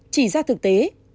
chỉ ra thực tế